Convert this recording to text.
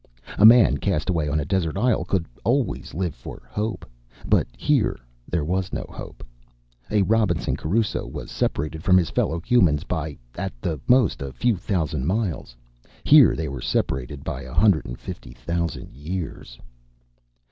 A man cast away on a desert isle could always live for hope, but here there was no hope. A Robinson Crusoe was separated from his fellow humans by, at the most, a few thousand miles. Here they were separated by a hundred and fifty thousand years.